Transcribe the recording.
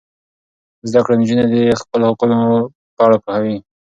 زده کړه نجونې د خپل حقونو په اړه پوهوي.